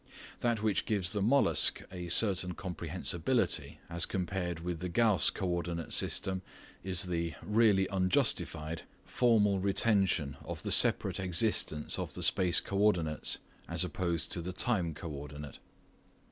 That which gives the "mollusc" a certain comprehensibility as compared with the Gauss co ordinate system is the (really unjustified) formal retention of the separate existence of the space co ordinates as opposed to the time co ordinate.